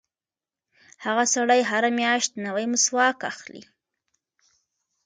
هغه سړی هره میاشت نوی مسواک اخلي.